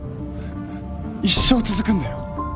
一生続くんだよ